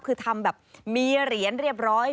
คือทำแบบมีเหรียญเรียบร้อย